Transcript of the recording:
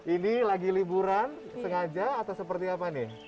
ini lagi liburan sengaja atau seperti apa nih